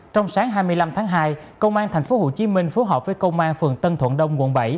trong sáng hai mươi năm tháng hai công an tp hcm phối hợp với công an phường tân thuận đông quận bảy